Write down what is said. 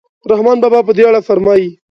رحمان بابا په دې اړه فرمایي.